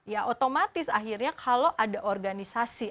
ya otomatis akhirnya kalau ada organisasi